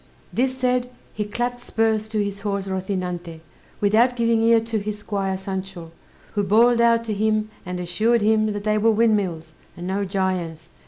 This said, he clapped spurs to his horse Rozinante, without giving ear to his squire Sancho, who bawled out to him, and assured him that they were windmills, and no giants.